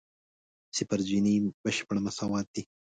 صفر جیني بشپړ مساوات دی.